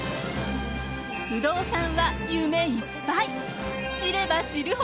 不動産は夢いっぱい。